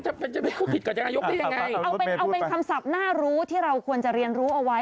เอาเป็นคำศัพท์น่ารู้ที่เราควรจะเรียนรู้เอาไว้